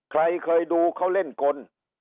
ใครเคยดูเขาเล่นกล